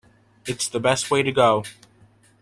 It's the best way to go.